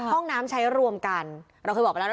ห้องน้ำใช้รวมกันเราเคยบอกไปแล้วนะ